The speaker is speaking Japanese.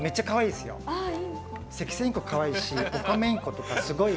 セキセイインコかわいいしオカメインコとかすごい。